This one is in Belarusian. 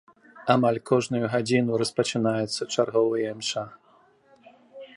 Амаль кожную гадзіну распачынаецца чарговая імша.